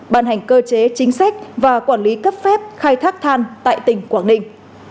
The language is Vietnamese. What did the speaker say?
ban hành cơ chế chính sách và quản lý cấp phép khai thác than tại tỉnh quảng ninh